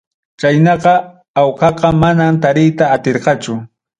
Chaynaqa awqaqa mana tariyta atirqachu.